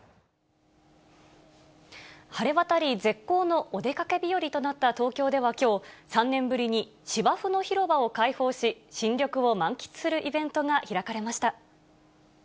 晴れ渡り、絶好のお出かけ日和となった東京ではきょう、３年ぶりに芝生の広場を開放し、新緑を満喫するイベントが開かれました。